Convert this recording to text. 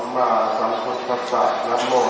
การพุทธศักดาลัยเป็นภูมิหลายการพุทธศักดาลัยเป็นภูมิหลาย